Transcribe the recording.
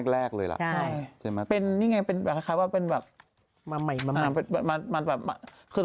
แล้วตอนนี้คือเป็นใหม่มาก